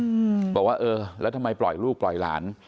อืมบอกว่าเออแล้วทำไมปล่อยลูกปล่อยหลาน